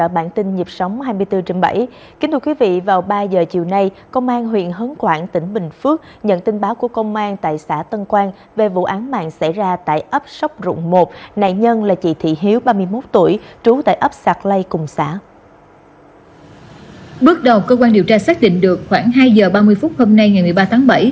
bước đầu cơ quan điều tra xác định được khoảng hai giờ ba mươi phút hôm nay ngày một mươi ba tháng bảy